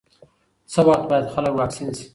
څه وخت باید خلک واکسین شي؟